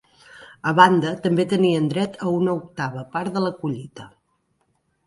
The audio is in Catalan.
A banda, també tenien dret a una octava part de la collita.